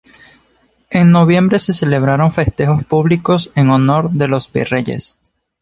En noviembre se celebraron festejos públicos en honor de los virreyes.